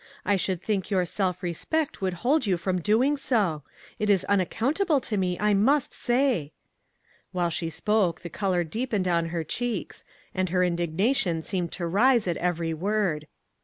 I should think your self respect would hold you from doing so. It is unaccountable to me, 'I must say!" While she spoke the color deepened on her cheeks, and her in dignation seemed to rise at every word.